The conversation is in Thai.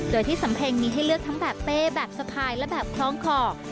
โดยที่สำเพ็งมีให้เลือกทั้งแบบเป้แบบสะพายและแบบคล้องขอบ